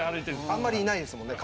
あんまりいないですよね。